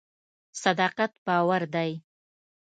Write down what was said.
صداقت باور دی.